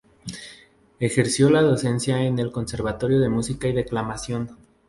Ejerció la docencia en el Conservatorio de música y Declamación.